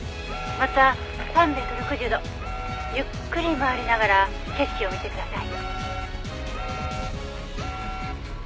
「また３６０度ゆっくり回りながら景色を見てください」